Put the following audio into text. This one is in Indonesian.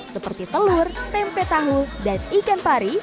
seperti telur tempe tahu dan ikan pari